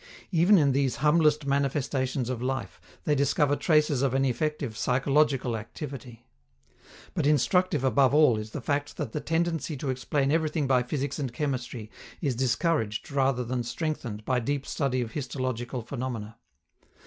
Even in these humblest manifestations of life they discover traces of an effective psychological activity. But instructive above all is the fact that the tendency to explain everything by physics and chemistry is discouraged rather than strengthened by deep study of histological phenomena.